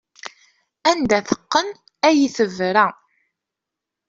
Anda teqqen ay tebra.